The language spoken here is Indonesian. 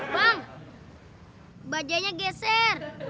bang bajanya geser